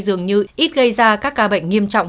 dường như ít gây ra các ca bệnh nghiêm trọng